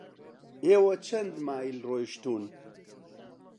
ئێوە چەند مایل ڕۆیشتوون؟